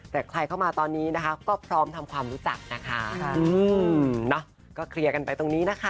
แต่ใครเข้ามาตอนนี้นะคะก็พร้อมทำความรู้จักนะคะก็เคลียร์กันไปตรงนี้นะคะ